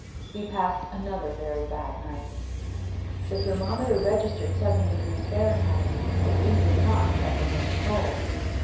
We passed another very bad night. The thermometer registered 7° F., but we did not suffer from the cold.